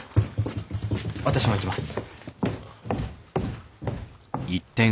私も行きます。